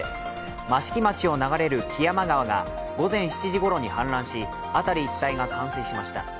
益城町を流れる木山川が午前７時ごろに氾濫し辺り一帯が冠水しました。